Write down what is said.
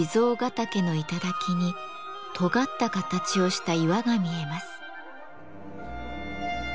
岳の頂にとがった形をした岩が見えます。